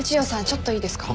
ちょっといいですか？